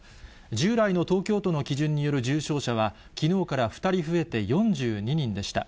従来の東京都の基準による重症者は、きのうから２人増えて４２人でした。